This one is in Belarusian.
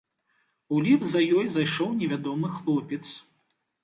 У ліфт за ёй зайшоў невядомы хлопец.